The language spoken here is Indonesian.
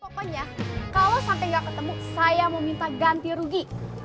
pokoknya kalo sampe gak ketemu saya mau minta ganti rugi